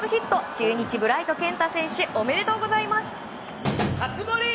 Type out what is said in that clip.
中日、ブライト健太選手おめでとうございます。